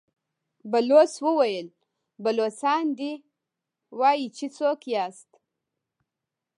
بلوڅ وويل: بلوڅان دي، وايي چې څوک ياست؟